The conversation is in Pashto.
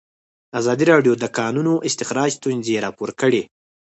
ازادي راډیو د د کانونو استخراج ستونزې راپور کړي.